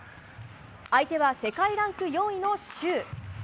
相手は世界ランク４位のシュウ。